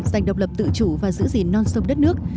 giành độc lập tự chủ và giữ gìn non sông đất nước